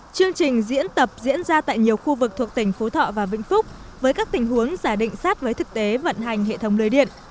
chương trình diễn tập diễn ra tại nhiều khu vực thuộc tỉnh phú thọ và vĩnh phúc với các tình huống giả định sát với thực tế vận hành hệ thống lưới điện